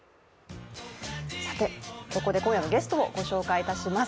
ここで今夜のゲストをご紹介します。